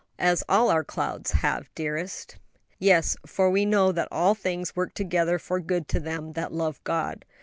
"As all our clouds have, dearest." "Yes; for 'we know that all things work together for good to them that love God!'